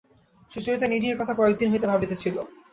সুচরিতা নিজেই এ কথা কয়েক দিন হইতে ভাবিতেছিল।